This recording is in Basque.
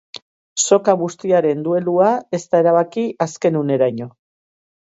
Soka bustiaren duelua ez da erabaki azken uneraino.